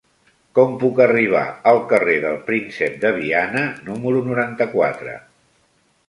Com puc arribar al carrer del Príncep de Viana número noranta-quatre?